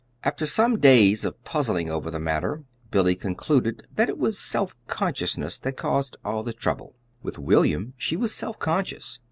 After some days of puzzling over the matter Billy concluded that it was self consciousness that caused all the trouble. With William she was self conscious.